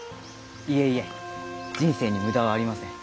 いえいえ人生に無駄はありません。